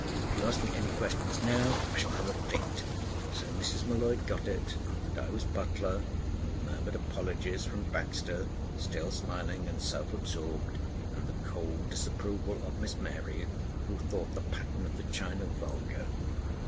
"If you ask me any questions now, I shall have a fit!" So Mrs. M'Leod got it, and I was butler, amid murmured apologies from Baxter, still smiling and self absorbed, and the cold disapproval of Miss Mary, who thought the pattern of the china vulgar.